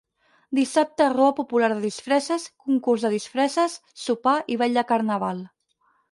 Dissabte rua popular de disfresses, concurs de disfresses, sopar i ball de Carnaval.